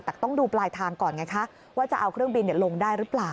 แต่ต้องดูปลายทางก่อนไงคะว่าจะเอาเครื่องบินลงได้หรือเปล่า